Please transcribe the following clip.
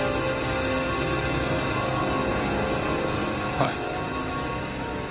おい。